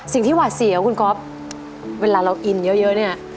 สิ่งที่หว่าเสียคุณก๊อฟเวลาเราอินเยอะเนี่ย